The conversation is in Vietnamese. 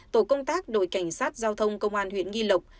tổ công tác đội cảnh sát giao thông công an huyện nghi lộc